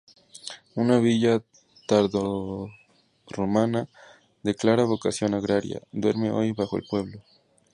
Una villa tardorromana, de clara vocación agraria, duerme hoy bajo el pueblo.